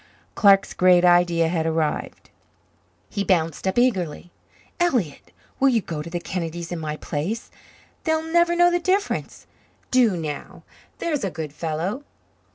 Clark's Great Idea had arrived. He bounced up eagerly. "Elliott, will you go to the Kennedys' in my place? They'll never know the difference. Do, now there's a good fellow!"